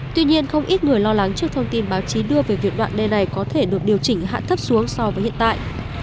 tuy nhiên không ít người lo lắng trước thông tin báo chí đưa về việc đoạn đê này có thể được điều chỉnh hạ thấp xuống so với hiện tại